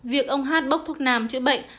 việc ông h bốc thuốc nam chữa bệnh